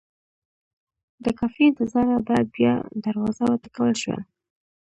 د کافي انتظاره بعد بیا دروازه وټکول شوه.